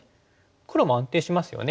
黒も安定しますよね。